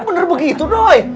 bener begitu doi